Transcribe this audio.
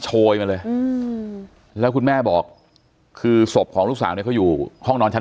โชยมาเลยแล้วคุณแม่บอกคือศพของลูกสาวเนี่ยเขาอยู่ห้องนอนชั้น